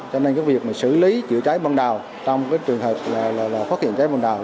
cho nên cái việc xử lý chữa cháy bằng đào trong cái trường hợp là phát hiện cháy bằng đào